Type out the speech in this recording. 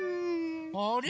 あれ？